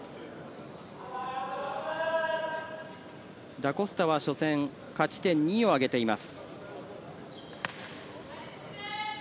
ダ・コスタは初戦勝ち点２をあげています。